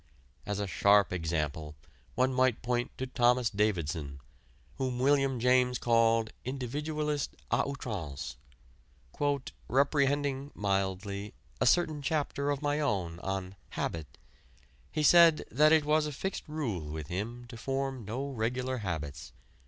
As a sharp example one might point to Thomas Davidson, whom William James called "individualist à outrance".... "Reprehending (mildly) a certain chapter of my own on 'Habit,' he said that it was a fixed rule with him to form no regular habits.